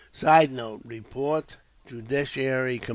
[Sidenote: Report Judiciary Com.